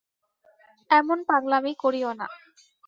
এমন পাগলামি করিয়ো না।